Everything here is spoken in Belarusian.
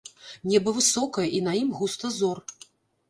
Неба высокае, і на ім густа зор.